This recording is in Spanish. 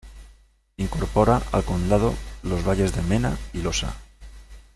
Incorpora al condado los valles de Mena y Losa.